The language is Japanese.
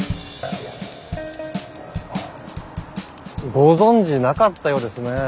ご存じなかったようですね。